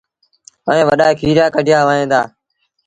ائيٚݩ وڏآ کيريآ ڪڍيآ وهيݩ دآ